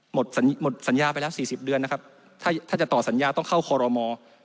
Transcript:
หมดสัญญาไปแล้ว๔๐เดือนนะครับถ้าจะต่อสัญญาต้องเข้าคอรมอ